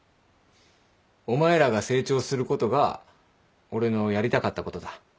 お前らが成長することが俺のやりたかったことだ。